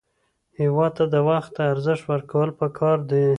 هېواد ته وخت ته ارزښت ورکول پکار دي